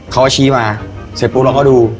เขาก็ชี้มาเสร็จปุ๊บเราก็ดู